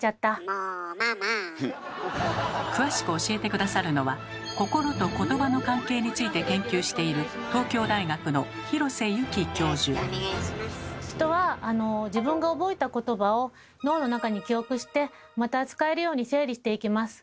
詳しく教えて下さるのは心と言葉の関係について研究している人は自分が覚えた言葉を脳の中に記憶してまた使えるように整理していきます。